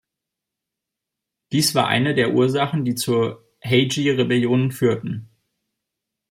Dies war eine der Ursachen, die zur Heiji-Rebellion führten.